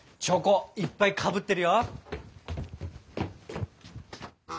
チョコいっぱいかぶってるよ！